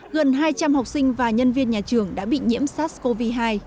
gần hai trăm linh học sinh và nhân viên nhà trường đã bị nhiễm sars cov hai